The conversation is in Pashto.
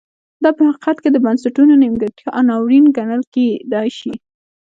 دا په حقیقت کې د بنسټونو نیمګړتیا او ناورین ګڼل کېدای شي.